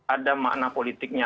ada makna politiknya